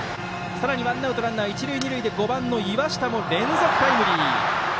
さらにワンアウトランナー、一塁二塁で岩下も連続タイムリー。